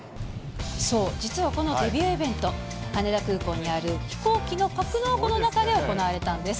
そう、実はこのデビューイベント、羽田空港にある飛行機の格納庫の中で行われたんです。